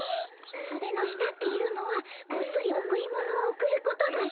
ソデの下っていうのはこっそりおくり物をおくることだよ。